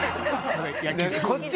こっち